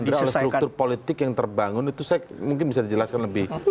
kalau struktur politik yang terbangun itu saya mungkin bisa dijelaskan lebih